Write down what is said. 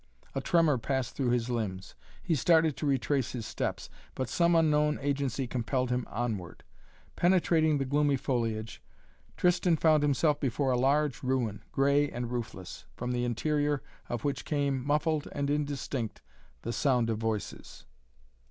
A tremor passed through his limbs. He started to retrace his steps, but some unknown agency compelled him onward. Penetrating the gloomy foliage, Tristan found himself before a large ruin, grey and roofless, from the interior of which came, muffled and indistinct, the sound of voices.